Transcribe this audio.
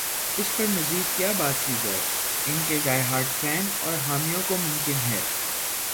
اس پر مزید کیا بات کی جائے ان کے ڈائی ہارڈ فین اور حامیوں کو ممکن ہے۔